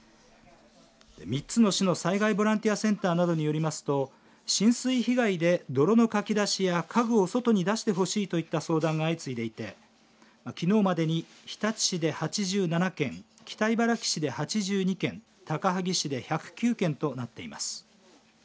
３つの市の災害ボランティアセンターなどによりますと浸水被害で泥のかき出しや家具を外に出してほしいといった相談が相次いでいてきのうまでに日立市で８７件北茨城市で８２件高萩市で１０９件となっています。